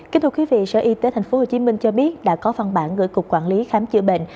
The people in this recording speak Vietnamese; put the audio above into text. kính thưa quý vị sở y tế tp hcm cho biết đã có văn bản gửi cục quản lý khám chữa bệnh